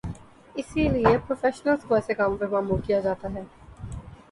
اسی لیے پروفیشنلز کو ایسے کاموں پہ مامور کیا جاتا ہے۔